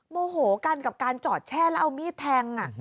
โมโหกันกับการจอดแช่แล้วเอามีดแทง